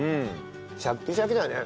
シャッキシャキだね。